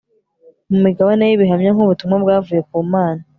mu migabane y'ibihamya nk'ubutumwa bwavuye ku mana